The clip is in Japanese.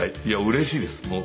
いやうれしいです。